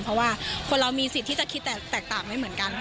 เพราะว่าคนเรามีสิทธิ์ที่จะคิดแตกต่างไม่เหมือนกัน